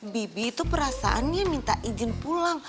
bibik tuh perasaannya minta izin pulang